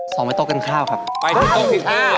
สองไปตรงการข้าวครับไปที่ตรงการการการข้าว